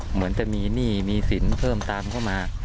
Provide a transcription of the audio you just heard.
เหมือนจะมีหนี้มีสินเพิ่มตามเข้ามา